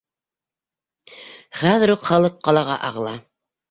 Хәҙер үк халыҡ ҡалаға ағыла!